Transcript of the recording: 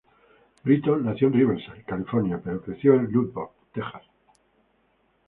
Britton nació en Riverside, California pero creció en Lubbock, Texas.